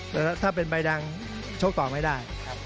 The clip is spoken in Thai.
แต่ถ้าเป็นใบดังชกต่อไม่ได้